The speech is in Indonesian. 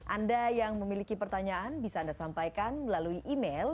anda yang memiliki pertanyaan bisa anda sampaikan melalui email